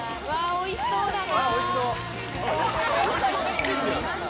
おいしそうだな。